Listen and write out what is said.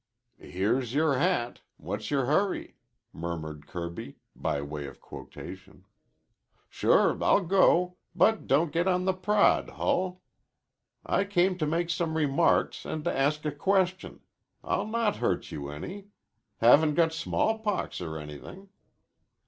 "Here's your hat. What's your hurry?" murmured Kirby, by way of quotation. "Sure I'll go. But don't get on the prod, Hull. I came to make some remarks an' to ask a question. I'll not hurt you any. Haven't got smallpox or anything."